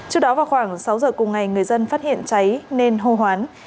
trước đó vào khoảng sáu giờ cùng ngày người dân phát hiện cháy nên hô hoán